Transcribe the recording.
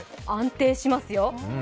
安定しますよ。